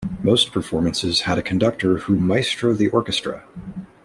Most performances had a conductor who maestro the orchestra.